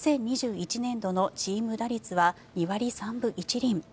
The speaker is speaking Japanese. ２０２１年度のチーム打率は２割３分１厘。